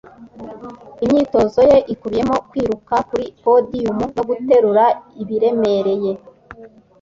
Imyitozo ye ikubiyemo kwiruka kuri podiyumu no guterura ibiremereye .